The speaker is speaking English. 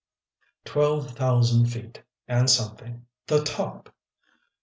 Twelve thousand feet, and something, the top!